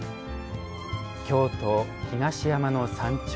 京都・東山の山頂